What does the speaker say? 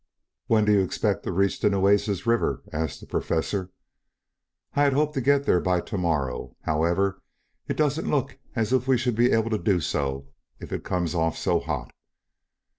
"When do you expect to reach the Nueces River?" asked the Professor. "I had hoped to get there by to morrow. However, it doesn't look as if we should be able to do so if it comes off so hot."